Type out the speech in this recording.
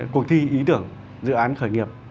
cuộc thi ý tưởng dự án khởi nghiệp